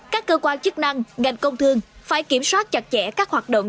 các cơ quan chức năng ngành công thương phải kiểm soát chặt chẽ các hoạt động